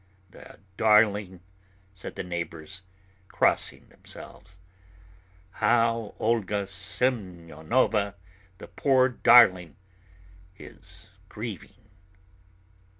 "The darling!" said the neighbours, crossing themselves. "How Olga Semyonovna, the poor darling, is grieving!"